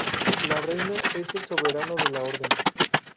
La reina es el Soberano de la Orden.